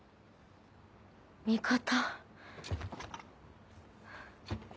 味方。